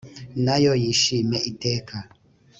na yo yishime iteka